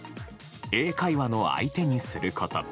英会話の相手にすること。